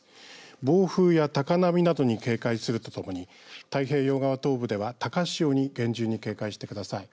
暴風や高波などに警戒するとともに太平洋側東部では高潮に厳重に警戒してください。